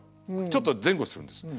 ちょっと前後するんですよ。